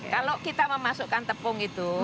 kalau kita memasukkan tepung itu